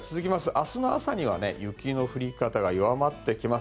明日の朝には雪の降り方が弱まってきます。